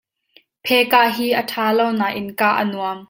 Phe kah hi a ṭha lo nain kah a nuam.